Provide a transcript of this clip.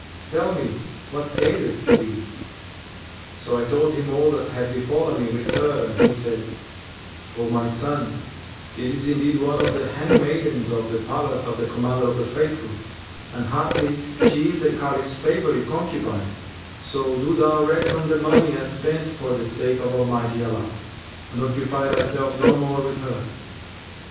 Tell me what aileth thee.' So I told him all that had befallen me with her and he said, 'O my son, this is indeed one of the handmaidens of the palace of the Commander of the Faithful and haply she is the Caliph's favourite concubine: so do thou reckon the money as spent for the sake of Almighty Allah[FN#354] and occupy thyself no more with her.